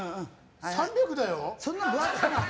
３００だよ。